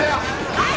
はい！